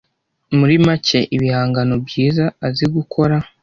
muri make ibihangano byiza azi gukora